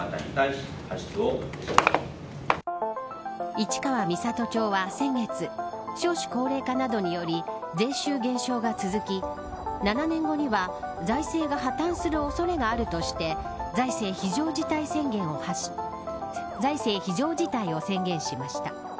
市川三郷町は先月少子高齢化などにより税収減少が続き７年後には、財政が破綻する恐れがあるとして財政非常事態を宣言しました。